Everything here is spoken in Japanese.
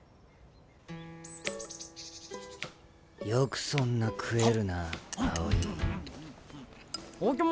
よくそんな食えるな青井。